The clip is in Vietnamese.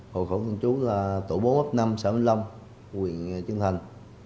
hội khẩu thông chú là tổ bố bấp năm sáu mươi năm huyện trân thành